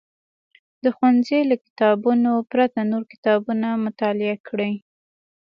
د ښوونځي له کتابونو پرته نور کتابونه مطالعه کړي.